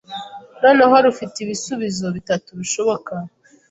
noneho rufite ibisubizo bitatu bishoboka